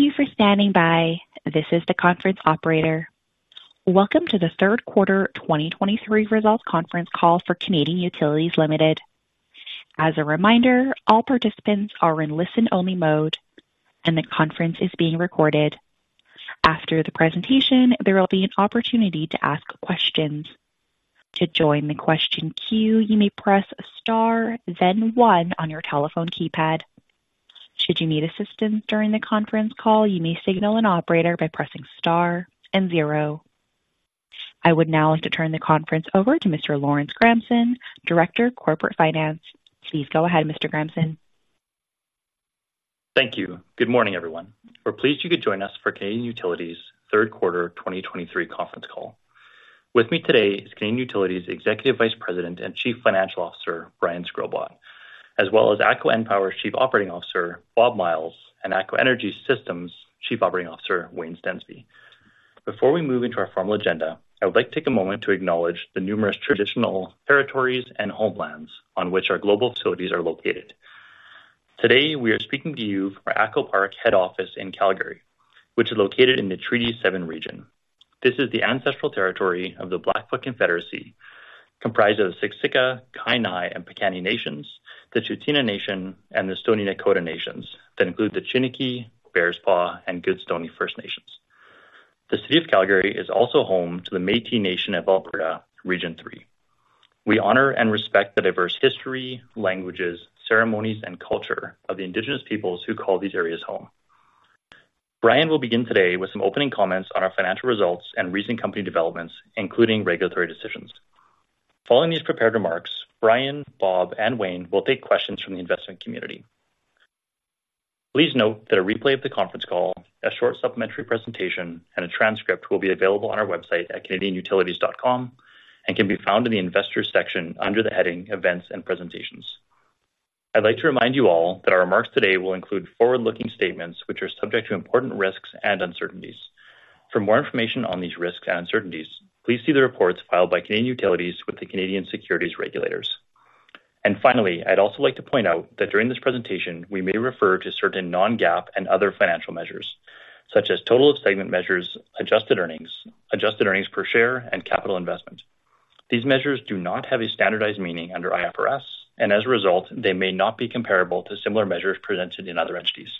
Thank you for standing by. This is the conference operator. Welcome to the third quarter 2023 results conference call for Canadian Utilities Limited. As a reminder, all participants are in listen-only mode and the conference is being recorded. After the presentation, there will be an opportunity to ask questions. To join the question queue, you may press Star, then 1 on your telephone keypad. Should you need assistance during the conference call, you may signal an operator by pressing Star and 0. I would now like to turn the conference over to Mr. Brian Fersovich, Director, Corporate Finance. Please go ahead, Mr. Fersovich. Thank you. Good morning, everyone. We're pleased you could join us for Canadian Utilities' third quarter 2023 conference call. With me today is Canadian Utilities Executive Vice President and Chief Financial Officer, Brian P. Shkrobot, as well as ATCO EnPower's Chief Operating Officer, Bob Myles, and ATCO Energy Systems Chief Operating Officer, Wayne Stensby. Before we move into our formal agenda, I would like to take a moment to acknowledge the numerous traditional territories and homelands on which our global facilities are located. Today, we are speaking to you from our ATCO Park head office in Calgary, which is located in the Treaty Seven region. This is the ancestral territory of the Blackfoot Confederacy, comprised of the Siksika, Kainai, and Piikani nations, the Tsuut'ina Nation, and the Stoney Nakoda nations, that include the Chiniki, Bearspaw, and Goodstoney First Nations. The City of Calgary is also home to the Métis Nation of Alberta, Region Three. We honor and respect the diverse history, languages, ceremonies, and culture of the indigenous peoples who call these areas home. Brian will begin today with some opening comments on our financial results and recent company developments, including regulatory decisions. Following these prepared remarks, Brian, Bob, and Wayne will take questions from the investment community. Please note that a replay of the conference call, a short supplementary presentation, and a transcript will be available on our website at canadianutilities.com and can be found in the Investors section under the heading Events and Presentations. I'd like to remind you all that our remarks today will include forward-looking statements, which are subject to important risks and uncertainties. For more information on these risks and uncertainties, please see the reports filed by Canadian Utilities with the Canadian Securities Regulators. And finally, I'd also like to point out that during this presentation, we may refer to certain non-GAAP and other financial measures, such as total of segment measures, adjusted earnings, adjusted earnings per share, and capital investment. These measures do not have a standardized meaning under IFRS, and as a result, they may not be comparable to similar measures presented in other entities.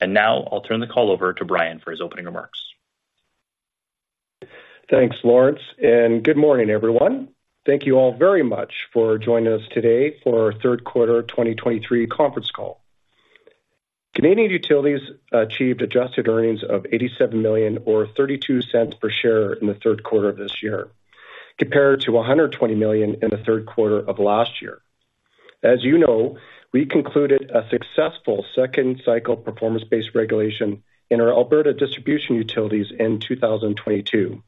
And now I'll turn the call over to Brian for his opening remarks. Thanks, Lawrence, and good morning, everyone. Thank you all very much for joining us today for our third quarter 2023 conference call. Canadian Utilities achieved adjusted earnings of $87 million or 0.32 per share in the third quarter of this year, compared to 120 million in the third quarter of last year. As you know, we concluded a successful second cycle performance-based regulation in our Alberta distribution utilities in 2022.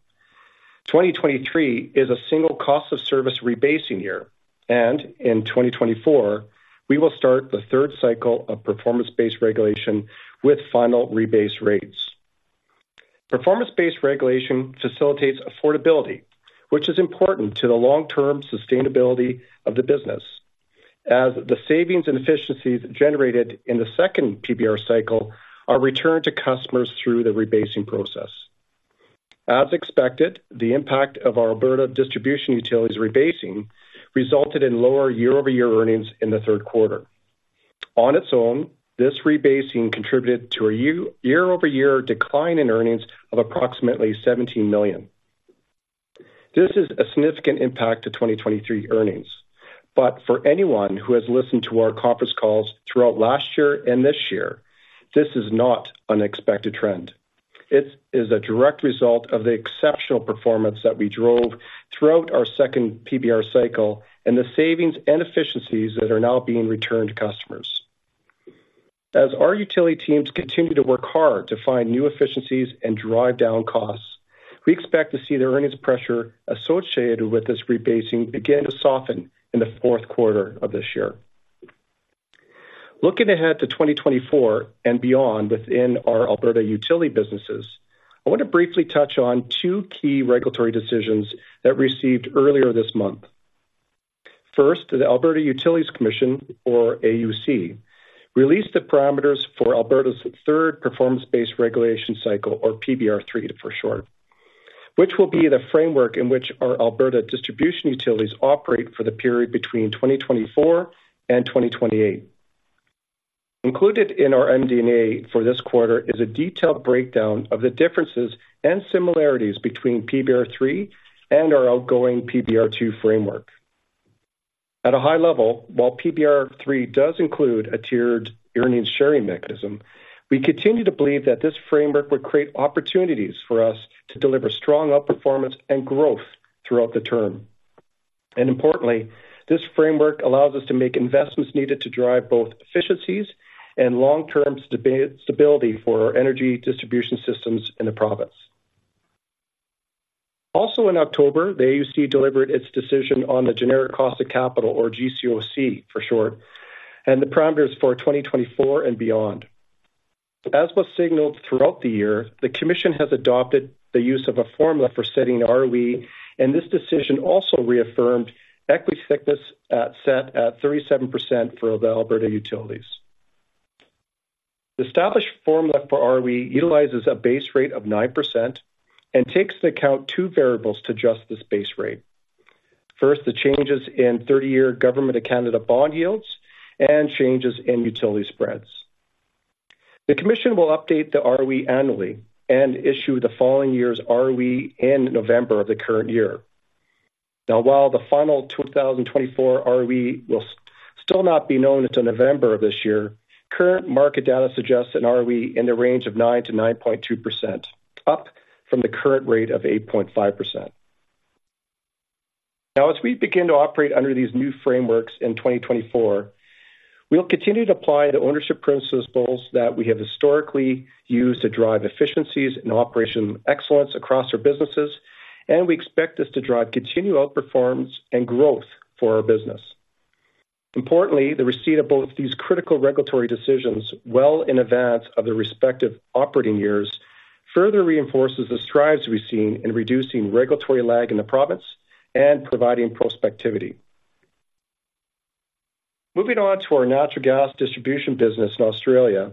2023 is a single cost of service rebasing year, and in 2024, we will start the third cycle of performance-based regulation with final rebase rates. Performance-based regulation facilitates affordability, which is important to the long-term sustainability of the business, as the savings and efficiencies generated in the second PBR cycle are returned to customers through the rebasing process. As expected, the impact of our Alberta distribution utilities rebasing resulted in lower year-over-year earnings in the third quarter. On its own, this rebasing contributed to a year-over-year decline in earnings of approximately 17 million. This is a significant impact to 2023 earnings, but for anyone who has listened to our conference calls throughout last year and this year, this is not an expected trend. It is a direct result of the exceptional performance that we drove throughout our second PBR cycle and the savings and efficiencies that are now being returned to customers. As our utility teams continue to work hard to find new efficiencies and drive down costs, we expect to see the earnings pressure associated with this rebasing begin to soften in the fourth quarter of this year. Looking ahead to 2024 and beyond within our Alberta utility businesses, I want to briefly touch on two key regulatory decisions that received earlier this month. First, the Alberta Utilities Commission, or AUC, released the parameters for Alberta's third performance-based regulation cycle, or PBR3 for short, which will be the framework in which our Alberta distribution utilities operate for the period between 2024 and 2028. Included in our MD&A for this quarter is a detailed breakdown of the differences and similarities between PBR3 and our outgoing PBR2 framework. At a high level, while PBR3 does include a tiered earnings sharing mechanism, we continue to believe that this framework would create opportunities for us to deliver strong outperformance and growth throughout the term. Importantly, this framework allows us to make investments needed to drive both efficiencies and long-term stability for our energy distribution systems in the province. Also in October, the AUC delivered its decision on the Generic Cost of Capital, or GCOC for short, and the parameters for 2024 and beyond. As was signaled throughout the year, the commission has adopted the use of a formula for setting ROE, and this decision also reaffirmed equity thickness set at 37% for the Alberta utilities. The established formula for ROE utilizes a base rate of 9% and takes into account two variables to adjust this base rate. First, the changes in 30-year Government of Canada bond yields and changes in utility spreads. The commission will update the ROE annually and issue the following year's ROE in November of the current year. Now, while the final 2024 ROE will still not be known until November of this year, current market data suggests an ROE in the range of 9%-9.2%, up from the current rate of 8.5%. Now, as we begin to operate under these new frameworks in 2024, we'll continue to apply the ownership principles that we have historically used to drive efficiencies and operational excellence across our businesses, and we expect this to drive continued outperformance and growth for our business. Importantly, the receipt of both these critical regulatory decisions well in advance of the respective operating years, further reinforces the strides we've seen in reducing regulatory lag in the province and providing prospectivity. Moving on to our natural gas distribution business in Australia,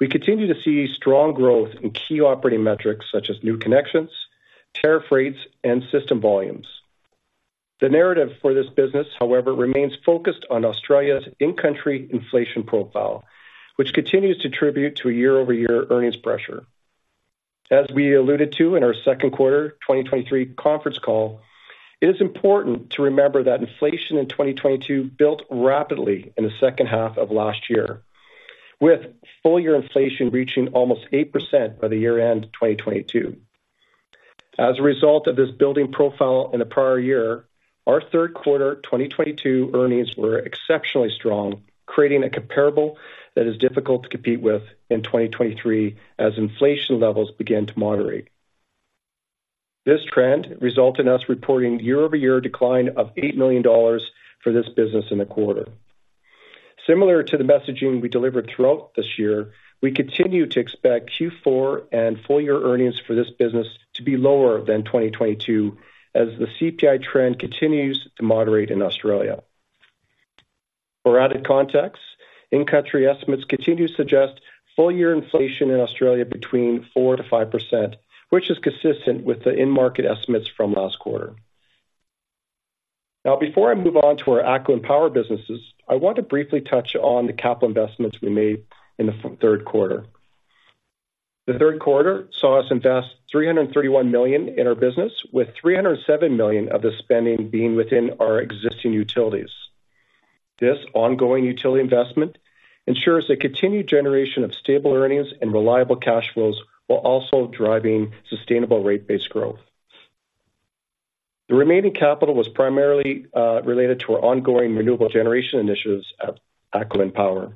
we continue to see strong growth in key operating metrics, such as new connections, tariff rates, and system volumes. The narrative for this business, however, remains focused on Australia's in-country inflation profile, which continues to contribute to a year-over-year earnings pressure. As we alluded to in our second quarter 2023 conference call, it is important to remember that inflation in 2022 built rapidly in the second half of last year, with full-year inflation reaching almost 8% by the year-end 2022. As a result of this building profile in the prior year, our third quarter 2022 earnings were exceptionally strong, creating a comparable that is difficult to compete with in 2023 as inflation levels begin to moderate. This trend resulted in us reporting year-over-year decline of 8 million dollars for this business in the quarter. Similar to the messaging we delivered throughout this year, we continue to expect Q4 and full-year earnings for this business to be lower than 2022 as the CPI trend continues to moderate in Australia. For added context, in-country estimates continue to suggest full-year inflation in Australia between 4%-5%, which is consistent with the in-market estimates from last quarter. Now, before I move on to our ATCO and Power businesses, I want to briefly touch on the capital investments we made in the third quarter. The third quarter saw us invest 331 million in our business, with 307 million of the spending being within our existing utilities. This ongoing utility investment ensures a continued generation of stable earnings and reliable cash flows, while also driving sustainable rate-based growth. The remaining capital was primarily related to our ongoing renewable generation initiatives at ATCO EnPower.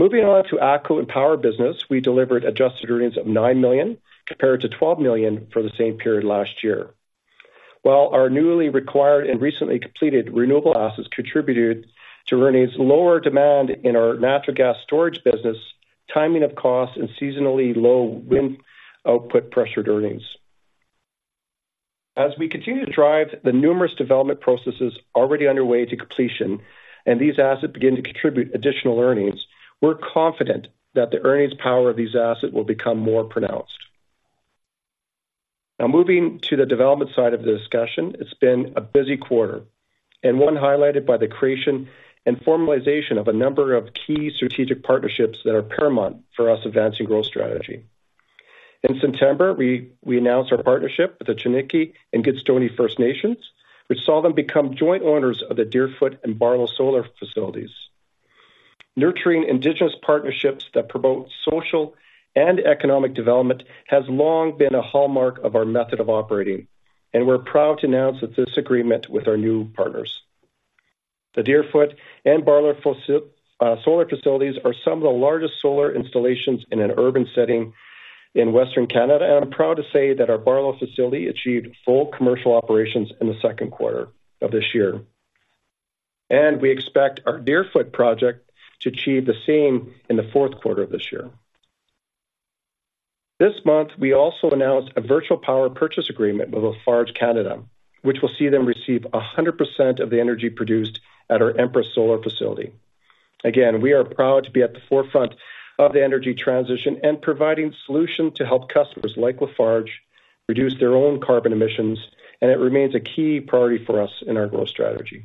Moving on to ATCO EnPower business, we delivered adjusted earnings of 9 million, compared to 12 million for the same period last year. While our newly acquired and recently completed renewable assets contributed to earnings, lower demand in our natural gas storage business, timing of costs and seasonally low wind output pressured earnings. As we continue to drive the numerous development processes already underway to completion, and these assets begin to contribute additional earnings, we're confident that the earnings power of these assets will become more pronounced. Now, moving to the development side of the discussion, it's been a busy quarter and one highlighted by the creation and formalization of a number of key strategic partnerships that are paramount for us advancing growth strategy. In September, we announced our partnership with the Chiniki and Gitxaałii First Nations, which saw them become joint owners of the Deerfoot and Barlow solar facilities. Nurturing Indigenous partnerships that promote social and economic development has long been a hallmark of our method of operating, and we're proud to announce that this agreement with our new partners. The Deerfoot and Barlow solar facilities are some of the largest solar installations in an urban setting in Western Canada, and I'm proud to say that our Barlow facility achieved full commercial operations in the second quarter of this year. We expect our Deerfoot project to achieve the same in the fourth quarter of this year. This month, we also announced a virtual power purchase agreement with Lafarge Canada, which will see them receive 100% of the energy produced at our Empress Solar facility. Again, we are proud to be at the forefront of the energy transition and providing solution to help customers like Lafarge reduce their own carbon emissions, and it remains a key priority for us in our growth strategy.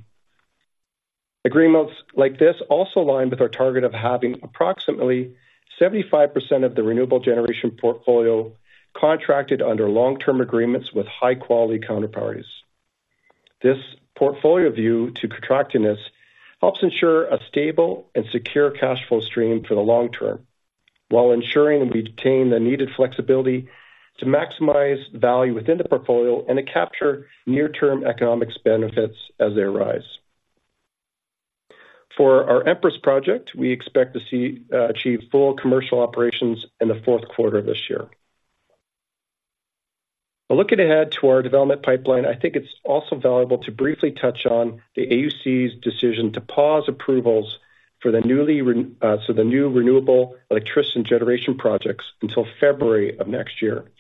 Agreements like this also align with our target of having approximately 75% of the renewable generation portfolio contracted under long-term agreements with high-quality counterparties. This portfolio view to contractedness helps ensure a stable and secure cash flow stream for the long term, while ensuring that we retain the needed flexibility to maximize value within the portfolio and to capture near-term economic benefits as they arise. For our Empress project, we expect to see achieve full commercial operations in the fourth quarter of this year. But looking ahead to our development pipeline, I think it's also valuable to briefly touch on the AUC's decision to pause approvals for the new renewable electricity generation projects until February of next year.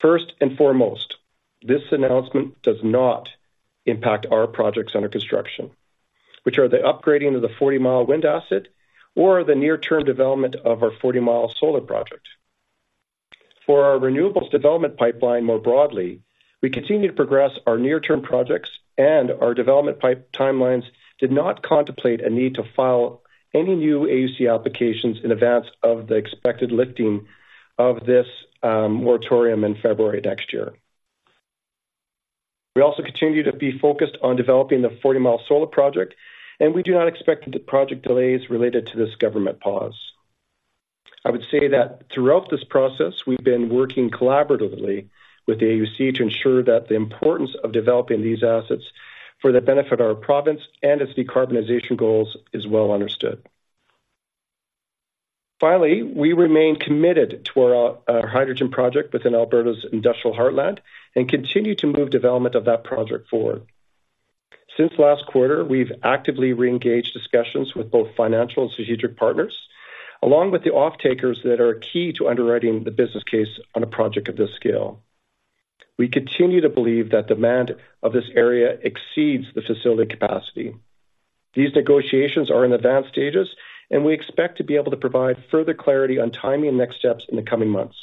First and foremost, this announcement does not impact our projects under construction, which are the upgrading of the Forty Mile Wind Asset or the near-term development of our Forty Mile Solar Project. For our renewables development pipeline, more broadly, we continue to progress our near-term projects and our development pipe timelines did not contemplate a need to file any new AUC applications in advance of the expected lifting of this moratorium in February next year. We also continue to be focused on developing the Forty Mile Solar Project, and we do not expect the project delays related to this government pause. I would say that throughout this process, we've been working collaboratively with the AUC to ensure that the importance of developing these assets for the benefit of our province and its decarbonization goals is well understood. Finally, we remain committed to our, our hydrogen project within Alberta's Industrial Heartland and continue to move development of that project forward. Since last quarter, we've actively reengaged discussions with both financial and strategic partners, along with the off-takers that are key to underwriting the business case on a project of this scale. We continue to believe that demand of this area exceeds the facility capacity. These negotiations are in advanced stages, and we expect to be able to provide further clarity on timing and next steps in the coming months.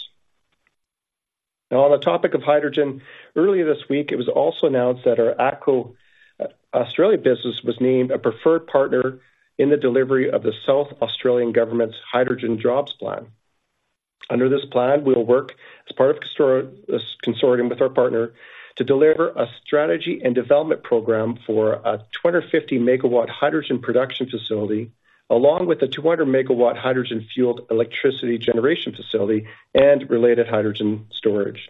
Now, on the topic of hydrogen, earlier this week, it was also announced that our ATCO Australia business was named a preferred partner in the delivery of the South Australian Government's Hydrogen Jobs Plan. Under this plan, we will work as part of consortium with our partner to deliver a strategy and development program for a 250-megawatt hydrogen production facility, along with a 200-megawatt hydrogen-fueled electricity generation facility and related hydrogen storage.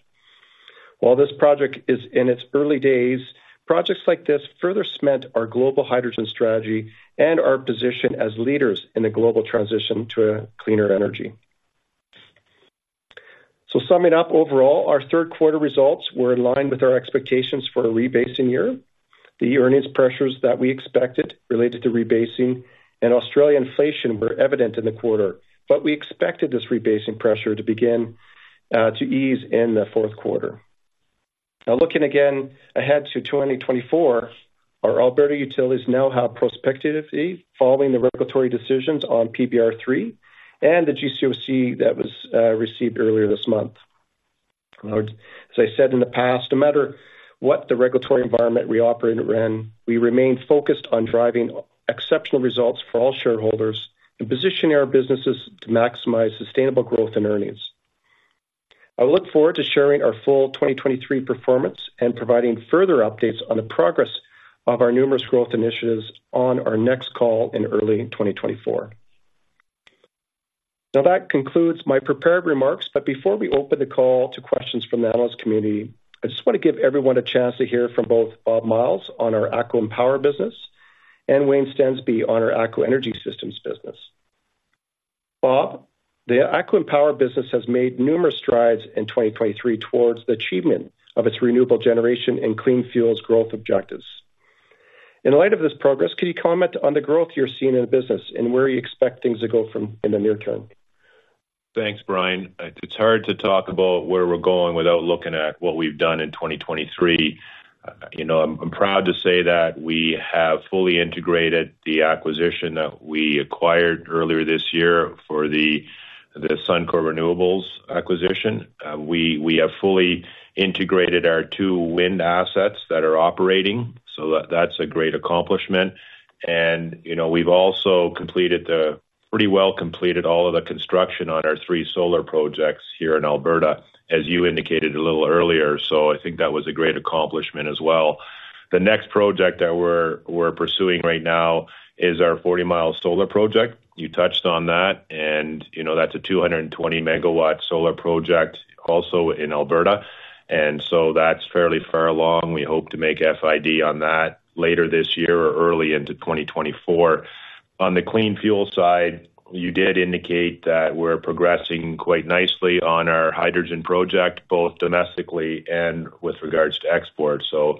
While this project is in its early days, projects like this further cement our global hydrogen strategy and our position as leaders in the global transition to a cleaner energy. So summing up, overall, our third quarter results were in line with our expectations for a rebasing year. The earnings pressures that we expected related to rebasing and Australia inflation were evident in the quarter, but we expected this rebasing pressure to begin to ease in the fourth quarter. Now, looking again ahead to 2024, our Alberta utilities now have prospectively, following the regulatory decisions on PBR3 and the GCOC that was received earlier this month. As I said in the past, no matter what the regulatory environment we operate in, we remain focused on driving exceptional results for all shareholders and positioning our businesses to maximize sustainable growth and earnings. I look forward to sharing our full 2023 performance and providing further updates on the progress of our numerous growth initiatives on our next call in early 2024. Now, that concludes my prepared remarks, but before we open the call to questions from the analyst community, I just want to give everyone a chance to hear from both Bob Myles on our ATCO EnPower business and Wayne Stensby on our ATCO Energy Systems business. Bob, the ATCO EnPower business has made numerous strides in 2023 towards the achievement of its renewable generation and clean fuels growth objectives. In light of this progress, could you comment on the growth you're seeing in the business and where you expect things to go from in the near term? Thanks, Brian. It's hard to talk about where we're going without looking at what we've done in 2023. You know, I'm proud to say that we have fully integrated the acquisition that we acquired earlier this year for the Suncor Renewables acquisition. We have fully integrated our two wind assets that are operating, so that's a great accomplishment. And, you know, we've also completed pretty well all of the construction on our three solar projects here in Alberta, as you indicated a little earlier. So I think that was a great accomplishment as well. The next project that we're pursuing right now is our Forty Mile Solar Project. You touched on that, and, you know, that's a 220-MW solar project, also in Alberta. And so that's fairly far along. We hope to make FID on that later this year or early into 2024. On the clean fuel side, you did indicate that we're progressing quite nicely on our hydrogen project, both domestically and with regards to exports. So,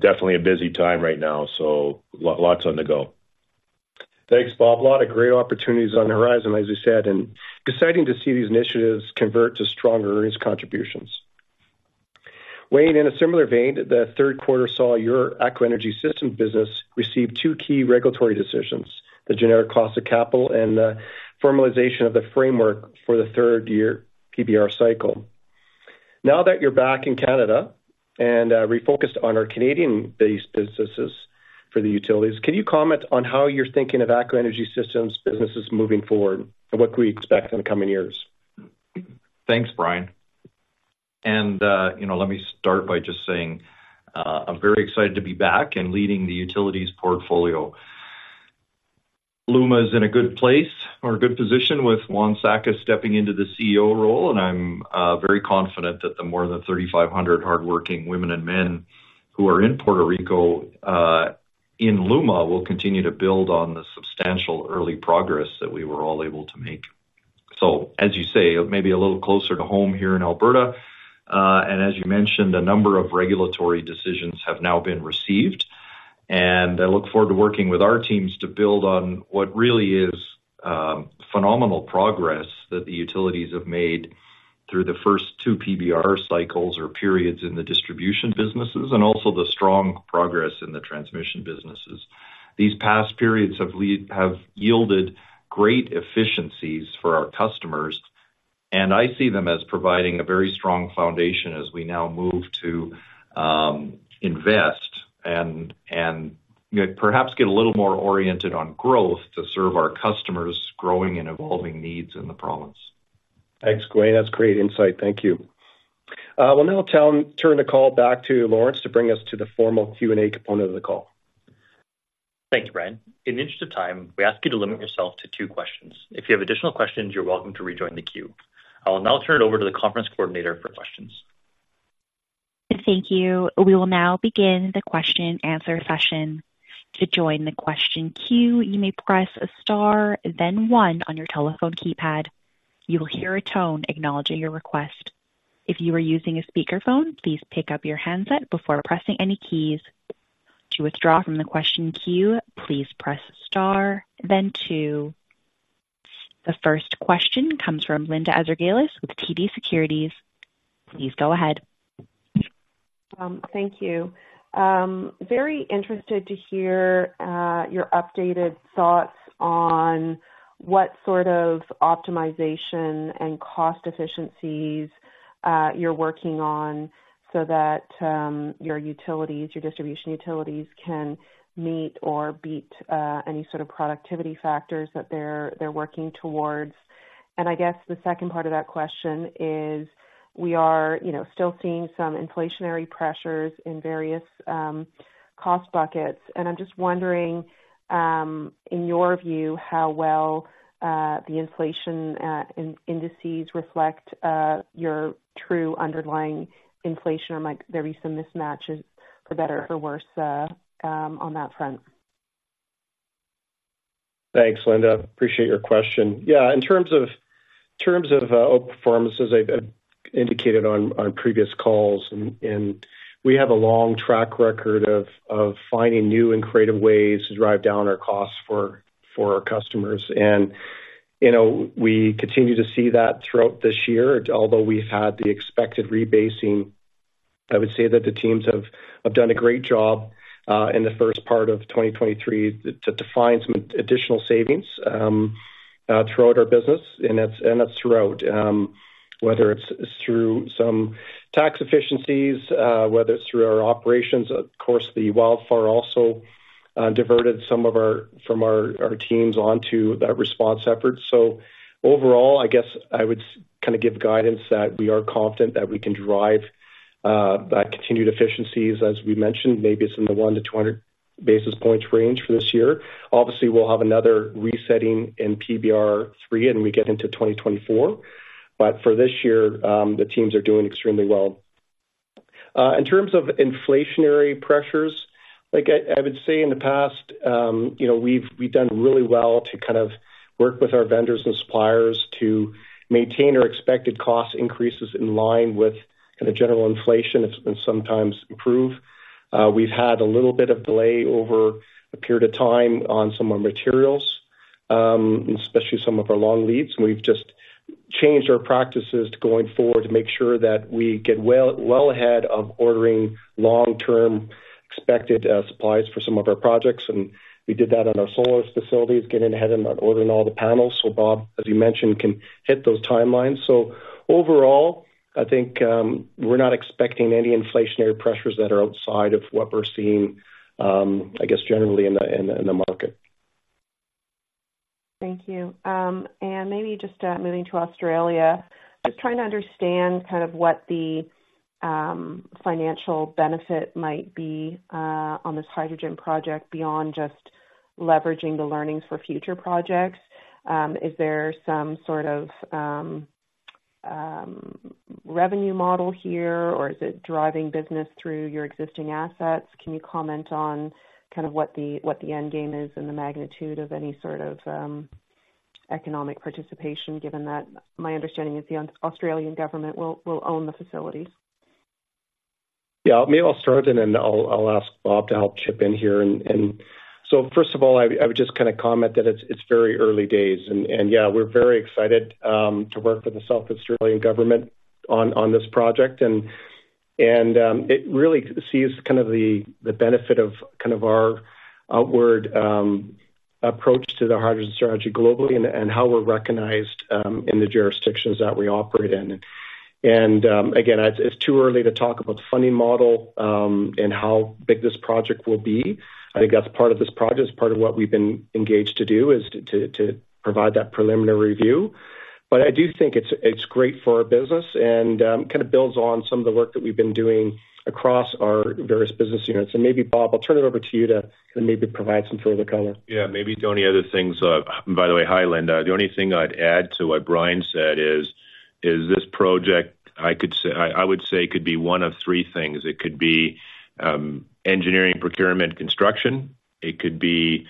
definitely a busy time right now. So lots on the go. Thanks, Bob. A lot of great opportunities on the horizon, as you said, and exciting to see these initiatives convert to strong earnings contributions. Wayne, in a similar vein, the third quarter saw your ATCO Energy Systems business receive two key regulatory decisions, the Generic Cost of Capital and the formalization of the framework for the third-year PBR cycle. Now that you're back in Canada and refocused on our Canadian-based businesses for the utilities, can you comment on how you're thinking of ATCO Energy Systems businesses moving forward and what can we expect in the coming years? Thanks, Brian. You know, let me start by just saying, I'm very excited to be back and leading the utilities portfolio. LUMA is in a good place or a good position with Juan Saca stepping into the CEO role, and I'm very confident that the more than 3,500 hardworking women and men who are in Puerto Rico, in LUMA, will continue to build on the substantial early progress that we were all able to make. As you say, maybe a little closer to home here in Alberta, and as you mentioned, a number of regulatory decisions have now been received. I look forward to working with our teams to build on what really is phenomenal progress that the utilities have made through the first two PBR cycles or periods in the distribution businesses, and also the strong progress in the transmission businesses. These past periods have yielded great efficiencies for our customers, and I see them as providing a very strong foundation as we now move to invest and perhaps get a little more oriented on growth to serve our customers' growing and evolving needs in the province. Thanks, Wayne. That's great insight. Thank you. We'll now turn the call back to Lawrence to bring us to the formal Q&A component of the call. Thanks, Brian. In the interest of time, we ask you to limit yourself to two questions. If you have additional questions, you're welcome to rejoin the queue. I will now turn it over to the conference coordinator for questions. Thank you. We will now begin the question and answer session. To join the question queue, you may press star then one on your telephone keypad. You will hear a tone acknowledging your request. If you are using a speakerphone, please pick up your handset before pressing any keys. To withdraw from the question queue, please press star then two. The first question comes from Linda Ezergailis with TD Securities. Please go ahead. Thank you. Very interested to hear your updated thoughts on what sort of optimization and cost efficiencies you're working on so that your utilities, your distribution utilities, can meet or beat any sort of productivity factors that they're working towards. I guess the second part of that question is, we are, you know, still seeing some inflationary pressures in various cost buckets, and I'm just wondering, in your view, how well the inflation indices reflect your true underlying inflation, or might there be some mismatches, for better or worse, on that front? Thanks, Linda. Appreciate your question. Yeah, in terms of performance, as I've indicated on previous calls, and we have a long track record of finding new and creative ways to drive down our costs for our customers. You know, we continue to see that throughout this year. Although we've had the expected rebasing, I would say that the teams have done a great job in the first part of 2023 to find some additional savings throughout our business, and that's throughout. Whether it's through some tax efficiencies, whether it's through our operations. Of course, the wildfire also diverted some of our teams onto that response effort. Overall, I guess I would kind of give guidance that we are confident that we can drive that continued efficiencies. As we mentioned, maybe it's in the 1 to 200 basis points range for this year. Obviously, we'll have another resetting in PBR3, and we get into 2024, but for this year, the teams are doing extremely well. In terms of inflationary pressures, like I would say in the past, you know, we've done really well to kind of work with our vendors and suppliers to maintain our expected cost increases in line with the general inflation. It's been sometimes improved. We've had a little bit of delay over a period of time on some of our materials, especially some of our long leads. We've just changed our practices going forward to make sure that we get well, well ahead of ordering long-term expected supplies for some of our projects. We did that on our solar facilities, getting ahead and ordering all the panels. So Bob, as you mentioned, can hit those timelines. So overall, I think, we're not expecting any inflationary pressures that are outside of what we're seeing, I guess, generally in the market. Thank you. And maybe just moving to Australia, just trying to understand kind of what the financial benefit might be on this hydrogen project, beyond just leveraging the learnings for future projects. Is there some sort of revenue model here, or is it driving business through your existing assets? Can you comment on kind of what the end game is and the magnitude of any sort of economic participation, given that my understanding is the Australian government will own the facilities? Yeah, maybe I'll start and then I'll ask Bob to help chip in here. So first of all, I would just kind of comment that it's very early days and yeah, we're very excited to work with the South Australian government on this project. It really sees kind of the benefit of kind of our outward approach to the hydrogen strategy globally and how we're recognized in the jurisdictions that we operate in. Again, it's too early to talk about the funding model and how big this project will be. I think that's part of this project. It's part of what we've been engaged to do, is to provide that preliminary review. But I do think it's great for our business and kind of builds on some of the work that we've been doing across our various business units. And maybe, Bob, I'll turn it over to you to maybe provide some further color. Yeah, maybe the only other things. By the way, hi, Linda. The only thing I'd add to what Brian said is, is this project, I could say- I would say, could be one of three things. It could be, engineering, procurement, construction. It could be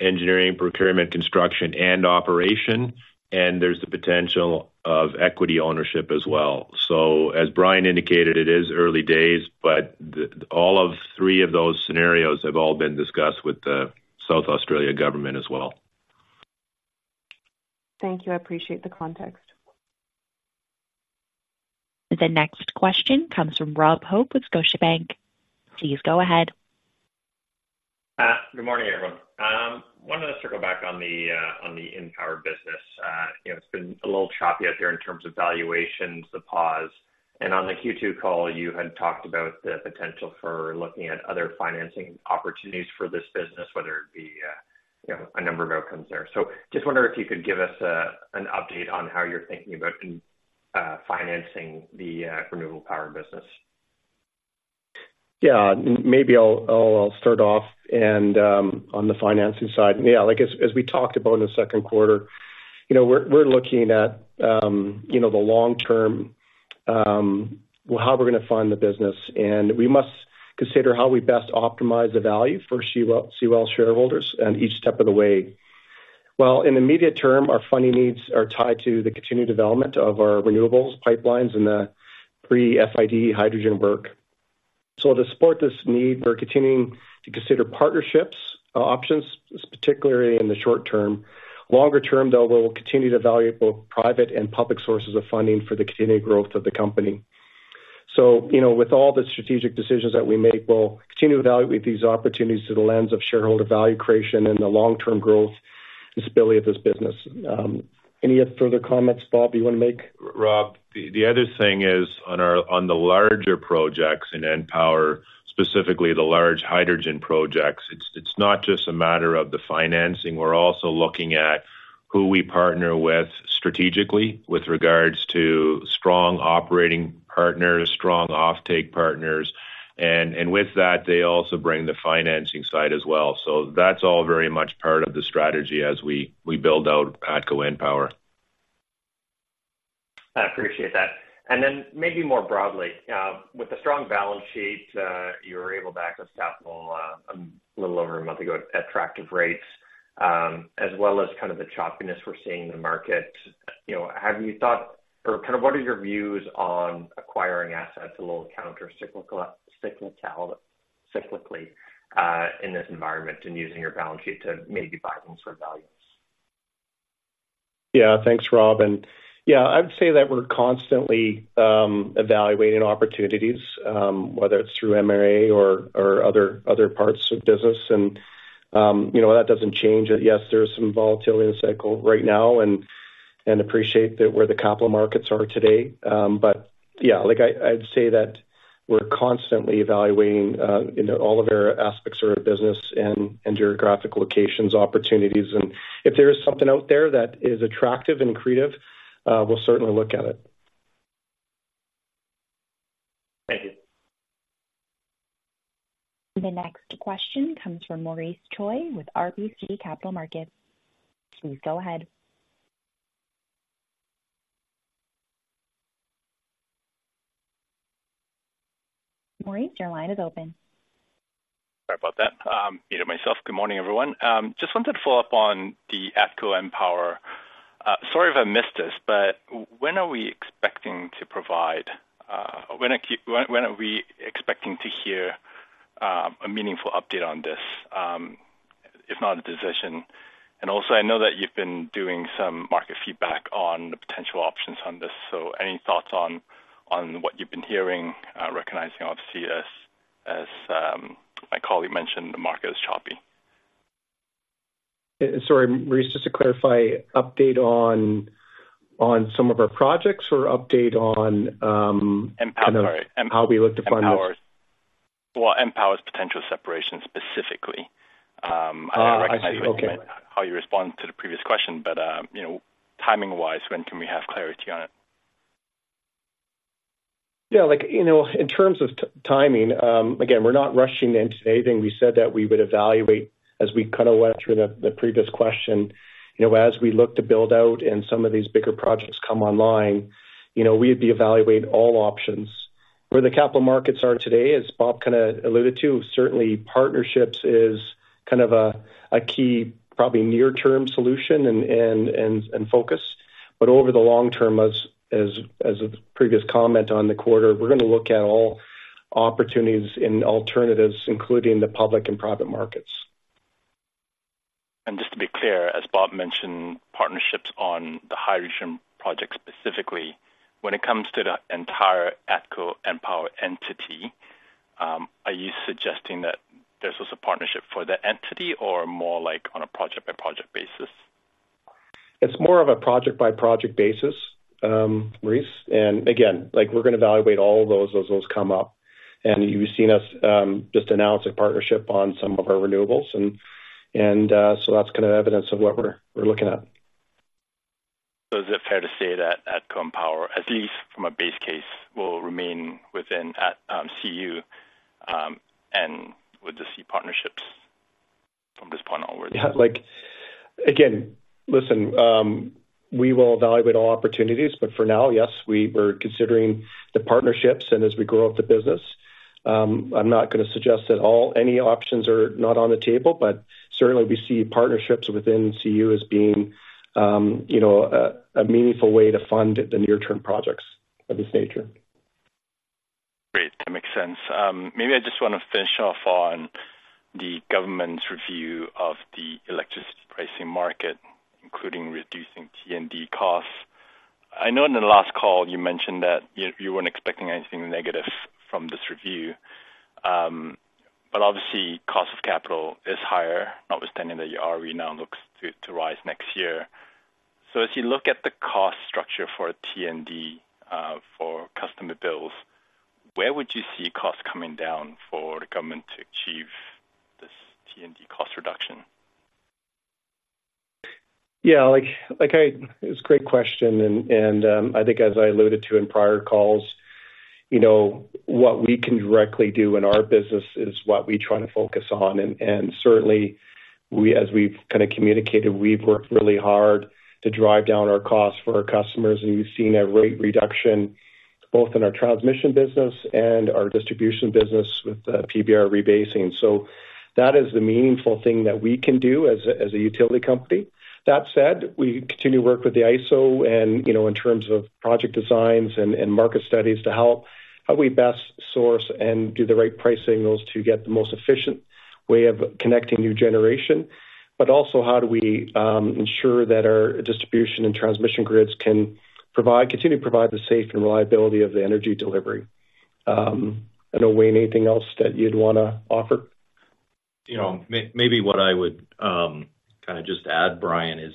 engineering, procurement, construction, and operation, and there's the potential of equity ownership as well. So as Brian indicated, it is early days, but all of three of those scenarios have all been discussed with the South Australia government as well. Thank you. I appreciate the context. The next question comes from Rob Hope with Scotiabank. Please go ahead. Good morning, everyone. Wanted to circle back on the, on the EnPower business. You know, it's been a little choppy out there in terms of valuations, the pause, and on the Q2 call, you had talked about the potential for looking at other financing opportunities for this business, whether it be, you know, a number of outcomes there. So just wonder if you could give us a, an update on how you're thinking about, financing the, renewable power business. Yeah, maybe I'll start off, and, yeah, like, as we talked about in the second quarter, you know, we're looking at, you know, the long term, well, how we're gonna fund the business, and we must consider how we best optimize the value for CUL shareholders in each step of the way. Well, in the immediate term, our funding needs are tied to the continued development of our renewables, pipelines, and the pre-FID hydrogen work. To support this need, we're continuing to consider partnerships, options, particularly in the short term. Longer term, though, we'll continue to evaluate both private and public sources of funding for the continued growth of the company. So, you know, with all the strategic decisions that we make, we'll continue to evaluate these opportunities through the lens of shareholder value creation and the long-term growth and stability of this business. Any further comments, Bob, you wanna make? Rob, the other thing is, on our—on the larger projects in EnPower, specifically the large hydrogen projects, it's not just a matter of the financing. We're also looking at who we partner with strategically with regards to strong operating partners, strong offtake partners, and with that, they also bring the financing side as well. So that's all very much part of the strategy as we build out ATCO EnPower. I appreciate that. And then maybe more broadly, with the strong balance sheet, you were able to access capital a little over a month ago at attractive rates, as well as kind of the choppiness we're seeing in the market. You know, have you thought or kind of what are your views on acquiring assets a little countercyclically in this environment and using your balance sheet to maybe buy them for values? Yeah. Thanks, Rob, and yeah, I'd say that we're constantly evaluating opportunities, whether it's through MRA or other parts of the business. And, you know, that doesn't change that, yes, there's some volatility in the cycle right now and appreciate that where the capital markets are today. But yeah, like I'd say that we're constantly evaluating, you know, all of our aspects of our business and geographic locations, opportunities, and if there is something out there that is attractive and accretive, we'll certainly look at it. Thank you. The next question comes from Maurice Choy with RBC Capital Markets. Please go ahead. Maurice, your line is open. Sorry about that. Muted myself. Good morning, everyone. Just wanted to follow up on the ATCO EnPower. Sorry if I missed this, but when are we expecting to hear a meaningful update on this, if not a decision? And also, I know that you've been doing some market feedback on the potential options on this, so any thoughts on what you've been hearing, recognizing, obviously, as my colleague mentioned, the market is choppy. Sorry, Maurice, just to clarify, update on some of our projects or update on kind of Power How we look to fund this? EnPower. Well, EnPower's potential separation specifically. I recognize- I see. Okay. how you responded to the previous question, but, you know, timing-wise, when can we have clarity on it? Yeah, like, you know, in terms of timing, again, we're not rushing into anything. We said that we would evaluate as we kind of went through the previous question. You know, as we look to build out and some of these bigger projects come online, you know, we'd be evaluating all options. Where the capital markets are today, as Bob kind of alluded to, certainly partnerships is kind of a key, probably near-term solution and focus. But over the long term, as a previous comment on the quarter, we're gonna look at all opportunities and alternatives, including the public and private markets. Just to be clear, as Bob mentioned, partnerships on the hydrogen project specifically, when it comes to the entire ATCO EnPower entity, are you suggesting that there's also a partnership for the entity or more like on a project-by-project basis? It's more of a project-by-project basis, Maurice, and again, like, we're gonna evaluate all of those as those come up. You've seen us just announce a partnership on some of our renewables, and so that's kind of evidence of what we're looking at. So is it fair to say that ATCO EnPower, at least from a base case, will remain within at, CU, and we'll just see partnerships from this point onwards?... Again, listen, we will evaluate all opportunities, but for now, yes, we were considering the partnerships and as we grow up the business, I'm not going to suggest that any options are not on the table, but certainly we see partnerships within CU as being, you know, a meaningful way to fund the near-term projects of this nature. Great, that makes sense. Maybe I just want to finish off on the government's review of the electricity pricing market, including reducing T&D costs. I know in the last call, you mentioned that you weren't expecting anything negative from this review. But obviously, cost of capital is higher, notwithstanding that your ROE now looks to rise next year. So as you look at the cost structure for T&D for customer bills, where would you see costs coming down for the government to achieve this T&D cost reduction? Yeah, like, It's a great question, and, and, I think as I alluded to in prior calls, you know, what we can directly do in our business is what we try to focus on. And, and certainly, we, as we've kind of communicated, we've worked really hard to drive down our costs for our customers, and we've seen a rate reduction both in our transmission business and our distribution business with the PBR rebasing. So that is the meaningful thing that we can do as a utility company. That said, we continue to work with the ISO and, you know, in terms of project designs and market studies to help, how we best source and do the right pricing, those to get the most efficient way of connecting new generation, but also how do we ensure that our distribution and transmission grids can provide, continue to provide the safe and reliability of the energy delivery. I don't know, Wayne, anything else that you'd want to offer? You know, maybe what I would, kind of just add, Brian, is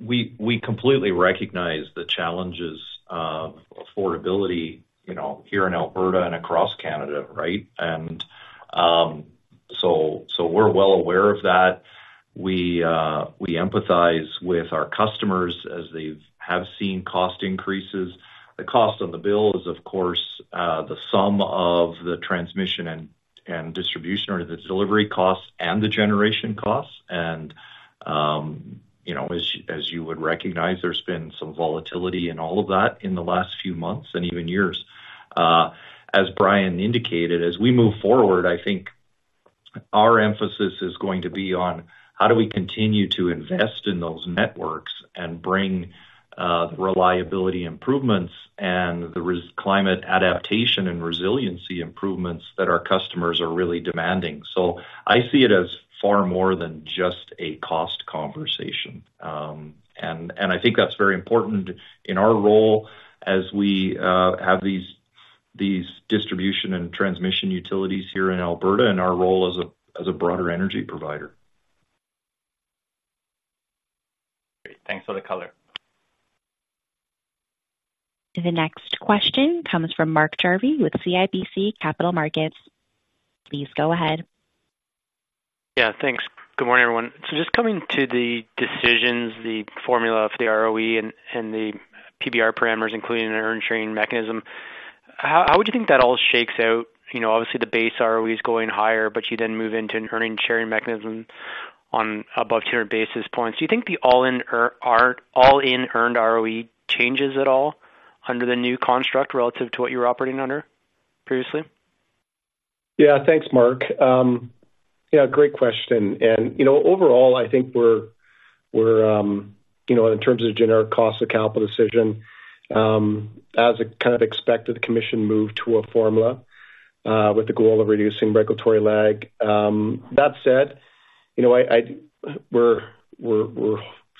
we completely recognize the challenges of affordability, you know, here in Alberta and across Canada, right? We are well aware of that. We empathize with our customers as they have seen cost increases. The cost on the bill is, of course, the sum of the transmission and distribution or the delivery costs and the generation costs, and, you know, as you would recognize, there's been some volatility in all of that in the last few months and even years. As Brian indicated, as we move forward, I think our emphasis is going to be on how do we continue to invest in those networks and bring the reliability improvements and the climate adaptation and resiliency improvements that our customers are really demanding. I see it as far more than just a cost conversation. I think that's very important in our role as we have these distribution and transmission utilities here in Alberta and our role as a broader energy provider. Great. Thanks for the color. The next question comes from Mark Jarvi with CIBC Capital Markets. Please go ahead. Yeah, thanks. Good morning, everyone. So just coming to the decisions, the formula for the ROE and the PBR parameters, including an earnings sharing mechanism, how would you think that all shakes out? You know, obviously, the base ROE is going higher, but you then move into an earnings sharing mechanism on above 200 basis points. Do you think the all-in earned ROE changes at all under the new construct relative to what you were operating under previously? Yeah. Thanks, Mark. Yeah, great question. And, you know, overall, I think we're, you know, in terms of Generic Cost of Capital decision, as kind of expected, the commission moved to a formula, with the goal of reducing regulatory lag. That said, you know, I—we're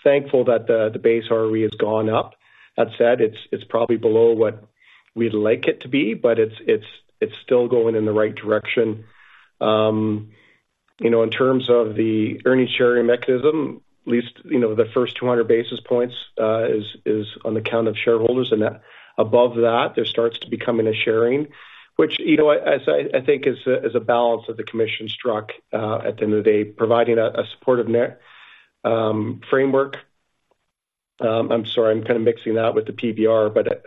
thankful that the base ROE has gone up. That said, it's probably below what we'd like it to be, but it's still going in the right direction. You know, in terms of the earnings sharing mechanism, at least, you know, the first 200 basis points is on the account of shareholders, and above that, there starts to become in a sharing, which, you know, as I think is a balance that the commission struck at the end of the day, providing a supportive net framework. I'm sorry, I'm kind of mixing that with the PBR, but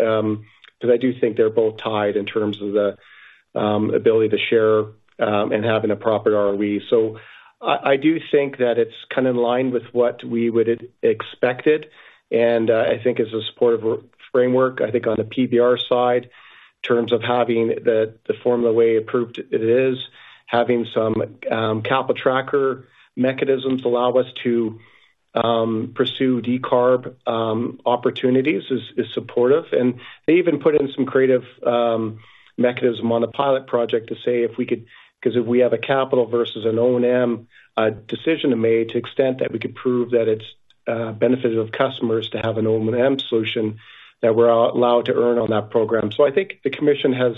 I do think they're both tied in terms of the ability to share and having a proper ROE. So I do think that it's kind of in line with what we would expected, and I think as a supportive framework, I think on the PBR side, in terms of having the, the formula way approved it is, having some capital tracker mechanisms allow us to pursue decarb opportunities, is supportive. And they even put in some creative mechanism on the pilot project to say if we could, because if we have a capital versus an O&M decision made, to extent that we could prove that it's beneficial to customers to have an O&M solution, that we're allowed to earn on that program. So I think the commission has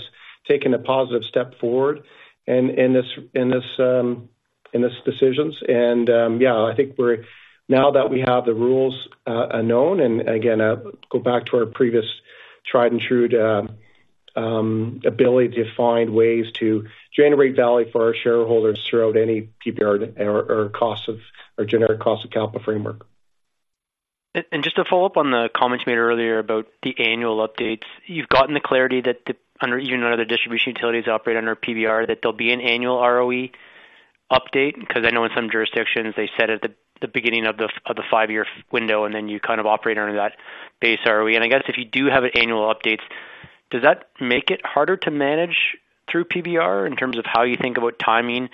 taken a positive step forward in this, in these decisions. Yeah, I think we're now that we have the rules known, and again, go back to our previous tried and true ability to find ways to generate value for our shareholders throughout any PBR or cost-of-service or Generic Cost of Capital framework.... And just to follow up on the comments you made earlier about the annual updates, you've gotten the clarity that even under the distribution utilities operate under PBR, that there'll be an annual ROE update? Because I know in some jurisdictions, they set it at the beginning of the five-year window, and then you kind of operate under that base ROE. And I guess if you do have annual updates, does that make it harder to manage through PBR in terms of how you think about timing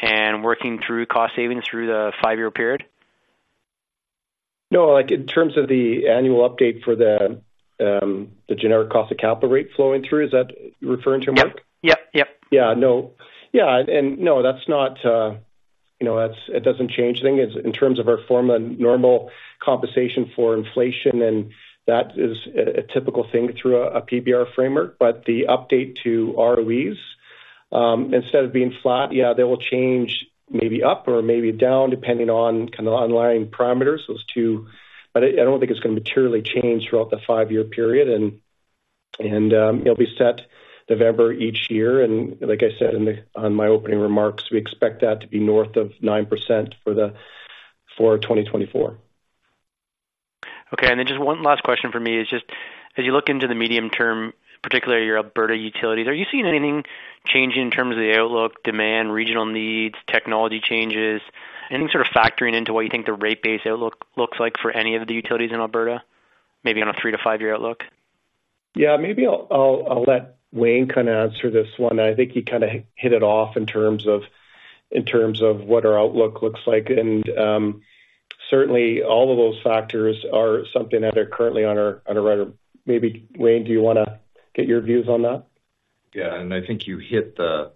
and working through cost savings through the five-year period? No, like, in terms of the annual update for the Generic Cost of Capital rate flowing through, is that referring to Mark? Yep, yep, yep. Yeah. No. Yeah, and no, that's not, you know, that's. It doesn't change anything. In terms of our formal normal compensation for inflation, and that is a typical thing through a PBR framework. But the update to ROEs, instead of being flat, yeah, they will change maybe up or maybe down, depending on kind of underlying parameters, those two. But I don't think it's gonna materially change throughout the five-year period. And, it'll be set November each year. And like I said in the, on my opening remarks, we expect that to be north of 9% for 2024. Okay. And then just one last question for me is just, as you look into the medium term, particularly your Alberta utilities, are you seeing anything changing in terms of the outlook, demand, regional needs, technology changes, anything sort of factoring into what you think the rate base outlook looks like for any of the utilities in Alberta? Maybe on a 3-5-year outlook. Yeah, maybe I'll let Wayne kind of answer this one. I think he kind of hit it off in terms of what our outlook looks like. Certainly, all of those factors are something that are currently on our radar. Maybe, Wayne, do you wanna get your views on that? Yeah, and I think you hit the,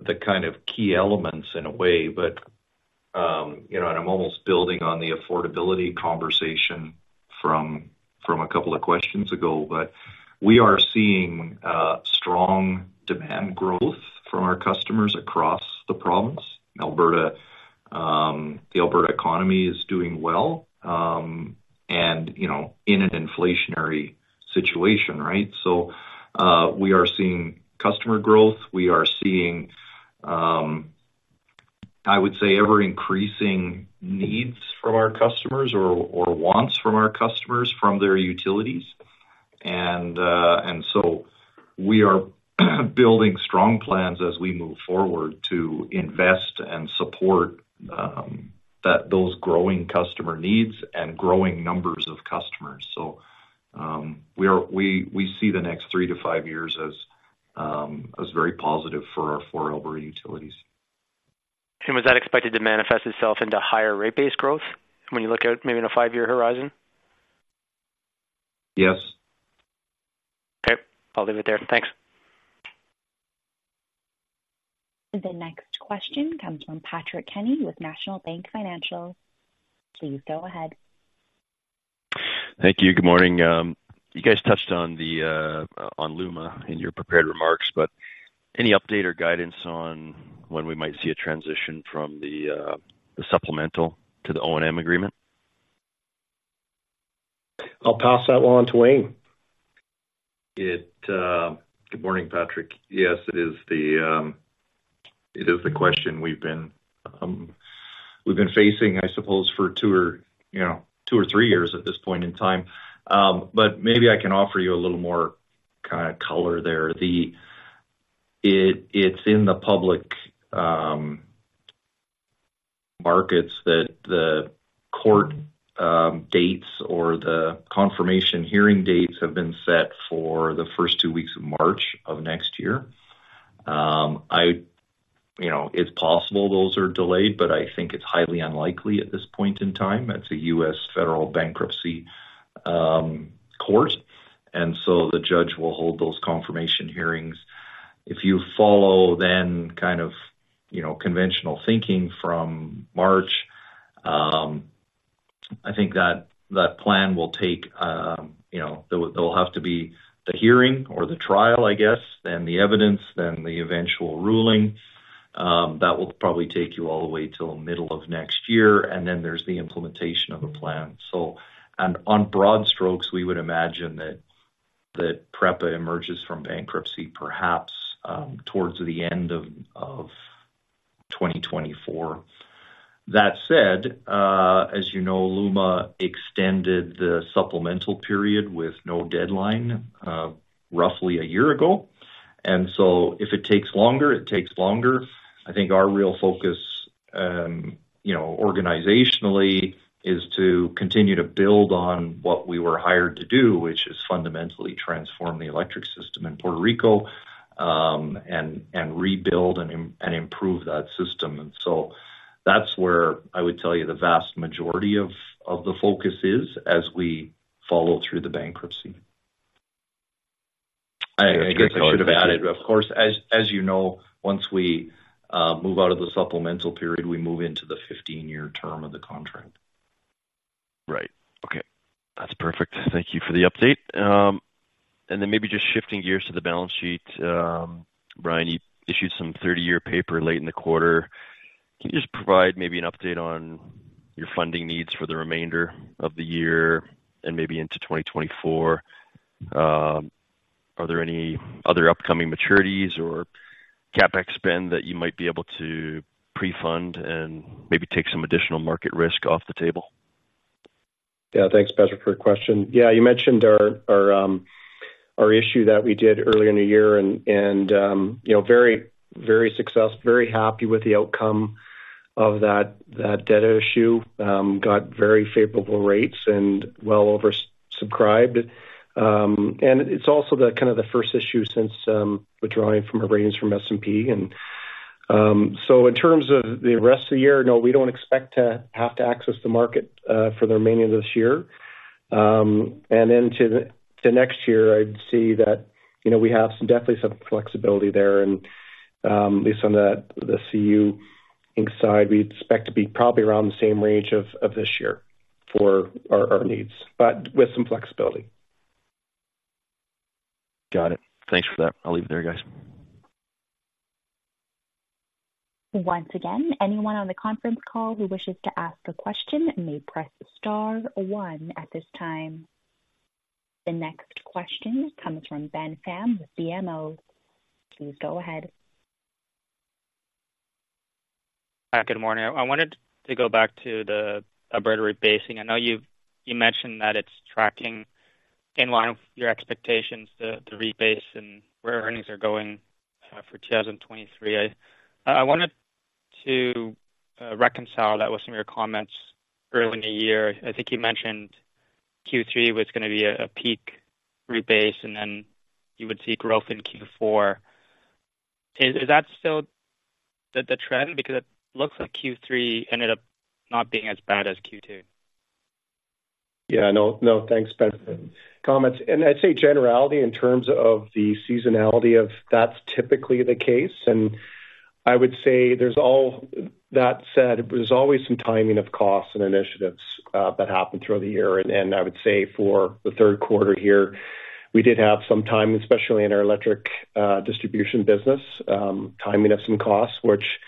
the kind of key elements in a way. But, you know, and I'm almost building on the affordability conversation from, from a couple of questions ago, but we are seeing, strong demand growth from our customers across the province. Alberta, the Alberta economy is doing well, and, you know, in an inflationary situation, right? So, we are seeing customer growth. We are seeing, I would say, ever-increasing needs from our customers or, or wants from our customers, from their utilities. And, and so we are building strong plans as we move forward to invest and support, that those growing customer needs and growing numbers of customers. So, we are, we, we see the next three to five years as, as very positive for our four Alberta utilities. Was that expected to manifest itself into higher rate-based growth when you look at maybe in a five-year horizon? Yes. Okay. I'll leave it there. Thanks. The next question comes from Patrick Kenny with National Bank Financial. Please go ahead. Thank you. Good morning. You guys touched on the on LUMA in your prepared remarks, but any update or guidance on when we might see a transition from the the supplemental to the O&M agreement? I'll pass that one on to Wayne. Good morning, Patrick. Yes, it is the question we've been facing, I suppose, for two or, you know, two or three years at this point in time. But maybe I can offer you a little more kind of color there. It's in the public markets that the court dates or the confirmation hearing dates have been set for the first two weeks of March of next year. I, you know, it's possible those are delayed, but I think it's highly unlikely at this point in time. It's a U.S. federal bankruptcy court, and so the judge will hold those confirmation hearings. If you follow, then, kind of, you know, conventional thinking from March, I think that, that plan will take, you know, there will have to be the hearing or the trial, I guess, then the evidence, then the eventual ruling. That will probably take you all the way till middle of next year, and then there's the implementation of the plan. In broad strokes, we would imagine that, that PREPA emerges from bankruptcy, perhaps, towards the end of 2024. That said, as you know, LUMA extended the supplemental period with no deadline, roughly a year ago, and if it takes longer, it takes longer. I think our real focus, you know, organizationally, is to continue to build on what we were hired to do, which is fundamentally transform the electric system in Puerto Rico, you know, and rebuild and improve that system. That's where I would tell you the vast majority of the focus is as we follow through the bankruptcy. I guess I should have added, of course, as you know, once we move out of the supplemental period, we move into the 15-year term of the contract. Right. Okay, that's perfect. Thank you for the update. And then maybe just shifting gears to the balance sheet. Brian, you issued some 30-year paper late in the quarter. Can you just provide maybe an update on your funding needs for the remainder of the year and maybe into 2024?... Are there any other upcoming maturities or CapEx spend that you might be able to pre-fund and maybe take some additional market risk off the table? Yeah, thanks, Patrick, for your question. Yeah, you mentioned our, our, our issue that we did earlier in the year, and, you know, very, very success- very happy with the outcome of that, that debt issue. Got very favorable rates and well oversubscribed. It's also kind of the first issue since withdrawing from our ratings from S&P. In terms of the rest of the year, no, we don't expect to have to access the market for the remaining of this year. To next year, I'd see that, you know, we have some, definitely some flexibility there. At least on the CU Inc. side, we expect to be probably around the same range of this year for our needs, but with some flexibility. Got it. Thanks for that. I'll leave it there, guys. Once again, anyone on the conference call who wishes to ask a question may press star one at this time. The next question comes from Benjamin Pham with BMO. Please go ahead. Hi, good morning. I wanted to go back to the Alberta rate base. I know you've -- you mentioned that it's tracking in line with your expectations, the, the rebase and where earnings are going, for 2023. I, I wanted to, reconcile that with some of your comments early in the year. I think you mentioned Q3 was going to be a, a peak rebase, and then you would see growth in Q4. Is, is that still the, the trend? Because it looks like Q3 ended up not being as bad as Q2. Yeah, no, no, thanks, Ben, for the comments. And I'd say generally in terms of the seasonality of... That's typically the case. And I would say there's— That said, there's always some timing of costs and initiatives that happen throughout the year. And I would say for the third quarter here, we did have some timing, especially in our electric distribution business, timing of some costs which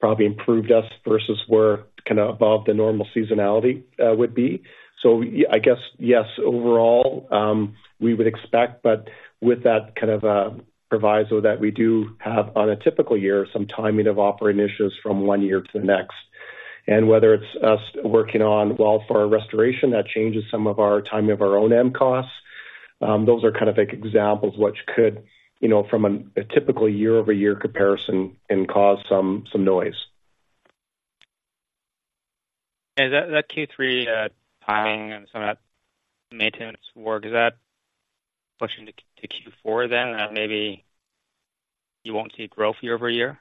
probably improved us versus where kind of above the normal seasonality would be. So I guess, yes, overall, we would expect, but with that kind of proviso that we do have on a typical year, some timing of operating issues from one year to the next. And whether it's us working on wildfire restoration, that changes some of our timing of our O&M costs. Those are kind of, like, examples which could, you know, from a typical year-over-year comparison, and cause some noise. That, that Q3 timing and some of that maintenance work, is that pushing to, to Q4 then? Maybe you won't see growth year-over-year?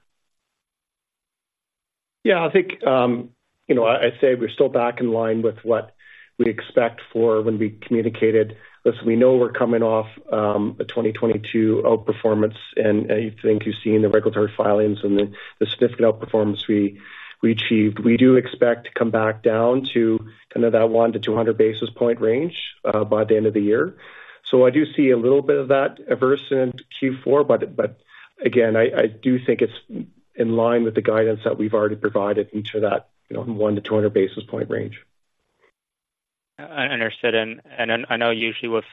Yeah, I think, you know, I'd say we're still back in line with what we expect for when we communicated. Listen, we know we're coming off a 2022 outperformance and, and I think you've seen the regulatory filings and the significant outperformance we achieved. We do expect to come back down to kind of that 100-200 basis point range by the end of the year. I do see a little bit of that aversion in Q4, but again, I do think it's in line with the guidance that we've already provided into that, you know, 100-200 basis point range. Understood. And I know usually with...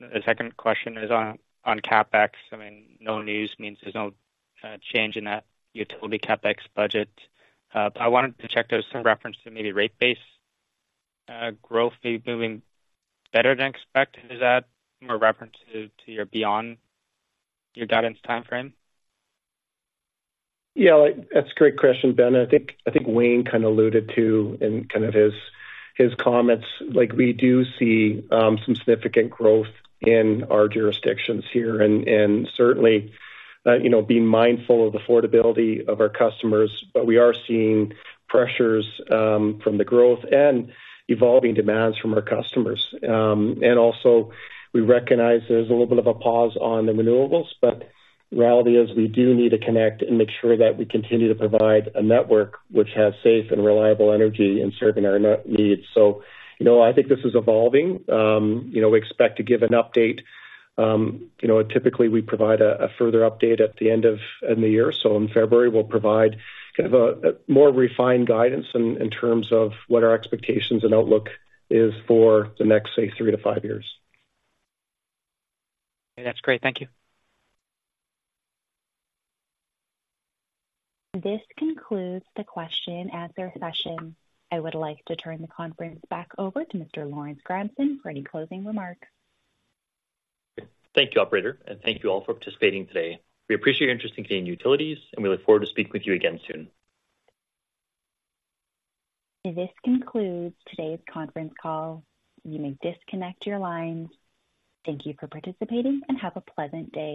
The second question is on CapEx. I mean, no news means there's no change in that utility CapEx budget. But I wanted to check those in reference to maybe rate base, growth maybe moving better than expected. Is that more reference to your beyond your guidance timeframe? Yeah, that's a great question, Ben. I think Wayne kind of alluded to, in kind of his comments, like, we do see some significant growth in our jurisdictions here, and certainly, you know, being mindful of the affordability of our customers. We are seeing pressures from the growth and evolving demands from our customers. Also, we recognize there's a little bit of a pause on the renewables, but the reality is, we do need to connect and make sure that we continue to provide a network which has safe and reliable energy in serving our net needs. You know, I think this is evolving. You know, we expect to give an update. You know, typically we provide a further update at the end of the year. So in February, we'll provide kind of a more refined guidance in terms of what our expectations and outlook is for the next, say, three to five years. That's great. Thank you. This concludes the question and answer session. I would like to turn the conference back over to Mr. Brian P. Shkrobot for any closing remarks. Thank you, Operator, and thank you all for participating today. We appreciate your interest in Canadian Utilities, and we look forward to speaking with you again soon. This concludes today's conference call. You may disconnect your lines. Thank you for participating and have a pleasant day.